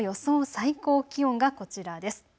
最高気温がこちらです。